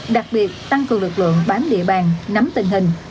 đặc biệt tăng cường lực lượng bám địa bàn nắm tình hình